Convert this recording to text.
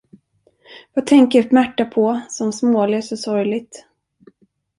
Vad tänker Märta på som småler så sorgligt?